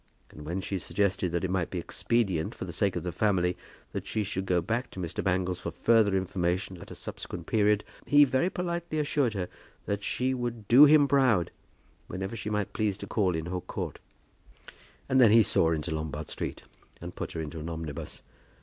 And when she suggested that it might be expedient for the sake of the family that she should come back to Mr. Bangles for further information at a subsequent period, he very politely assured her that she would "do him proud," whenever she might please to call in Hook Court. And then he saw her into Lombard Street, and put her into an omnibus.